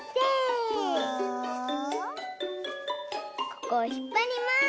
ここをひっぱります！